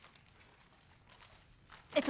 えっと